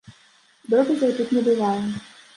Дробязяў тут не бывае.